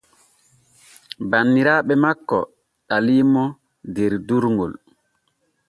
Banniraaɓe makko ɗaliimo der durŋol.